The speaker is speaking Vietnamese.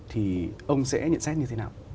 thì ông sẽ nhận xét như thế nào